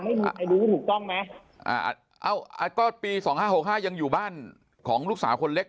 ไม่รู้ถูกต้องไหมอ่าก็ปี๒๕๖๕ยังอยู่บ้านของลูกสาวคนเล็ก